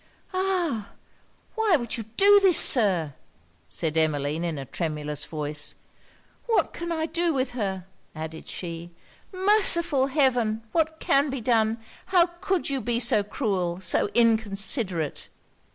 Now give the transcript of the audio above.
'Ah! why would you do this, Sir?' said Emmeline in a tremulous voice. 'What can I do with her?' added she. 'Merciful Heaven, what can be done? How could you be so cruel, so inconsiderate?'